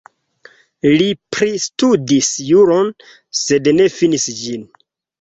Li pristudis juron, sed ne finis ĝin.